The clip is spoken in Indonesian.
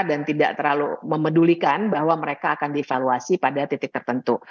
dan tidak terlalu memedulikan bahwa mereka akan di evaluasi pada titik tertentu